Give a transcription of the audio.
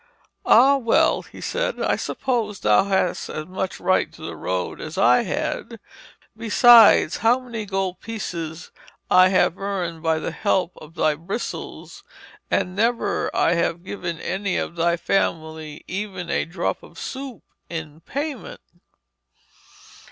'Ah, well!' he said, 'I suppose thou hadst as much right to the road as I had. Besides, how many gold pieces I have earned by the help of thy bristles, and never have I given any of thy family even a drop of soup in payment.'